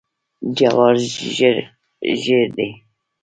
جوار ژیړ دي.